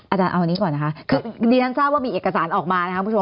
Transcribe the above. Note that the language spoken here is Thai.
อาจารย์เอาอันนี้ก่อนนะคะคือดิฉันทราบว่ามีเอกสารออกมานะครับคุณผู้ชม